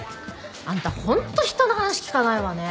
あんた本当人の話聞かないわね。